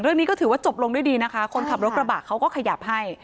เรื่องนี้ก็ถือว่าจบลงด้วยดีนะคะคนขับรถกระบะเขาก็ขยับให้